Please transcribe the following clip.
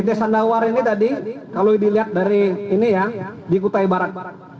desa dawar ini tadi kalau dilihat dari ini ya di kutai barat